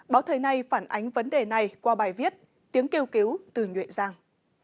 báo thời nay phản ánh vấn đề này qua bài viết tiếng kêu cứu từ nhuệ giang